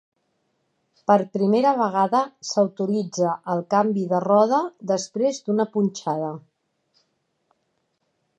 Per primera vegada s'autoritza el canvi de roda després d'una punxada.